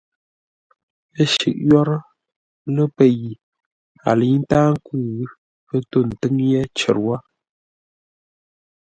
Ə́ shʉ̂ʼ yórə́ lə́ pə́ yi, a lə̌i ntáa nkwʉ́, pə́ tô ńtʉ́ŋ yé cər wó.